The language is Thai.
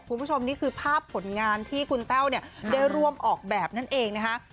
คุณผู้ชมนี่คือภาพผลงานที่คุณแต้วเนี่ยได้ร่วมออกแบบนั่นเองนะคะ